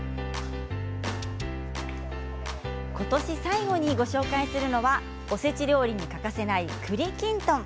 ことし最後にご紹介するのはおせち料理に欠かせないくりきんとん。